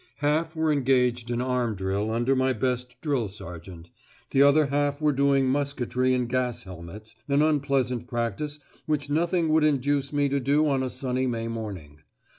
Half were engaged in arm drill under my best drill sergeant; the other half were doing musketry in gas helmets, an unpleasant practice which nothing would induce me to do on a sunny May morning.